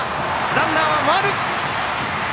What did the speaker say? ランナー、回る！